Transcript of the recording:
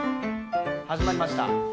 始まりました。